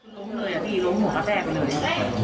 ล้มเลยอะพี่ล้มหัวแปร่งไปเลย